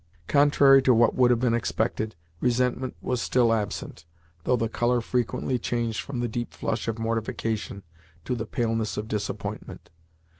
Contrary to what would have been expected, resentment was still absent, though the colour frequently changed from the deep flush of mortification to the paleness of disappointment.